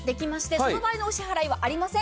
その場合のお支払いはございません。